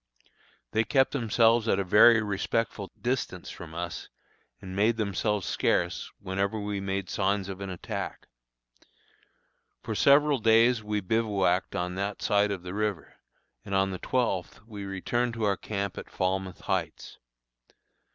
They kept themselves at a very respectful distance from us, and made themselves "scarce" whenever we made signs of an attack. For several days we bivouacked on that side of the river, and on the twelfth we returned to our old camp at Falmouth Heights.